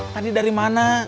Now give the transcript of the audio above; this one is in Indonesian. tadi dari mana